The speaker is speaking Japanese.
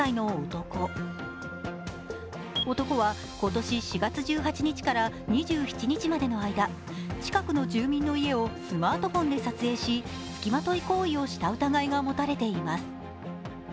男は今年４月１８日から２７日までの間近くの住民の家をスマートフォンで撮影し付きまとい行為をした疑いが持たれています。